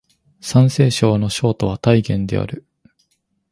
山西省の省都は太原である